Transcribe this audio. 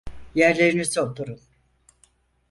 Yerlerinize oturun.